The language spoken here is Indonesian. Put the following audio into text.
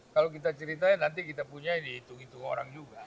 kalau kita cerita nanti kita punya dihitung hitung orang juga